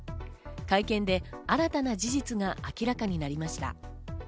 会見で新たな事実が明らかになりました。